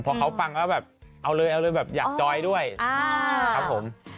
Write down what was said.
พอเขาฟังก็แบบเอาเลยแบบอยากจอยด้วยครับผม